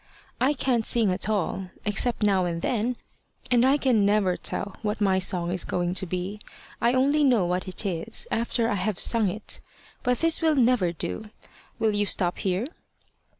I can't sing at all, except now and then, and I can never tell what my song is going to be; I only know what it is after I have sung it. But this will never do. Will you stop here?"